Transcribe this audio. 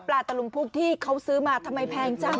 ตะลุมพุกที่เขาซื้อมาทำไมแพงจัง